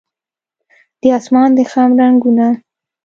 د اسمان د خم رنګونه